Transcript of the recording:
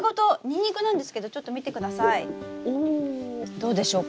どうでしょうか？